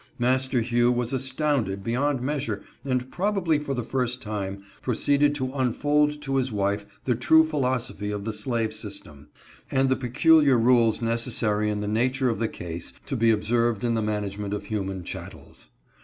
Master Hugh was astounded beyond measure and, probably for the first time, proceeded to unfold to his wife the true philosophy of the slave system, and the peculiar rules necessary in the nature of the case to be observed in the management of human chattels.